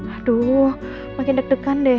aduh makin deg degan deh